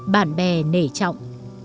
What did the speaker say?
bạn bè nể trọng